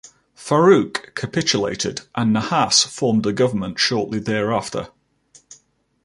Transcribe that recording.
Farouk capitulated, and Nahhas formed a government shortly thereafter.